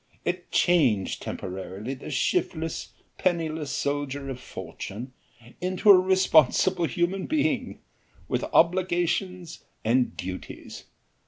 It changed temporarily the shiftless, penniless soldier of fortune into a responsible human being, with obligations and duties.